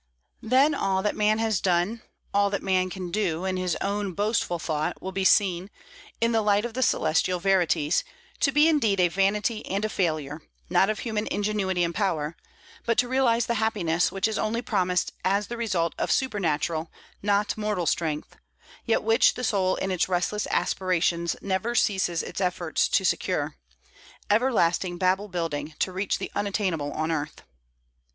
Then all that man has done, all that man can do, in his own boastful thought, will be seen, in the light of the celestial verities, to be indeed a vanity and a failure, not of human ingenuity and power, but to realize the happiness which is only promised as the result of supernatural, not mortal, strength, yet which the soul in its restless aspirations never ceases its efforts to secure, everlasting Babel building to reach the unattainable on earth.